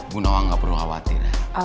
bu nawang gak perlu khawatir